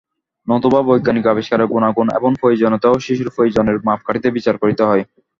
নতুবা বৈজ্ঞানিক আবিষ্কারের গুণাগুণ এবং প্রয়োজনীয়তাও শিশুর প্রয়োজনের মাপকাঠিতে বিচার করিতে হয়।